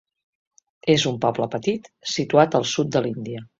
És un poble petit situat al sud de l'Índia.